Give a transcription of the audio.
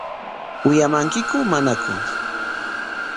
¿Wiyamankiku manaku?